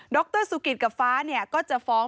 ดรสุกิรกับฟ้าเนี่ยก็จะฟ้อง